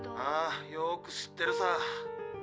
ああよく知ってるさ。